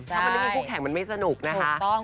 ถ้ามันไม่มีคู่แข่งมันไม่สนุกนะฮะถูกต้อง